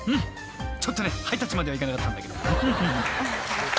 ［ちょっとねハイタッチまではいかなかったんだけど］